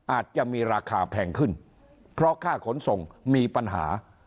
อาจจะมีราคาแพงขึ้นเพราะค่าขนส่งมีปัญหา